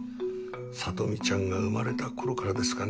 里美ちゃんが生まれた頃からですかね。